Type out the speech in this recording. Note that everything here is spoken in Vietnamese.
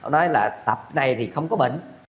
nói là tập này thì không có bệnh